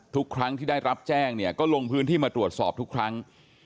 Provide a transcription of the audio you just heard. ทุกครั้งที่ได้รับแจ้งเนี่ยก็ลงพื้นที่มาตรวจสอบทุกครั้ง